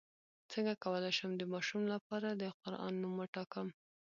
څنګه کولی شم د ماشوم لپاره د قران نوم وټاکم